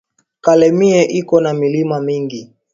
Kalemie iko na milima mingi